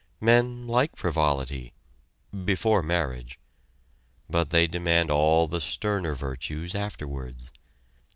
Men like frivolity before marriage; but they demand all the sterner virtues afterwards.